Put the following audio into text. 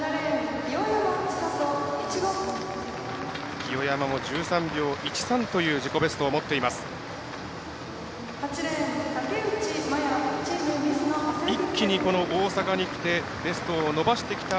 清山も１３秒１３という自己ベストを持っています。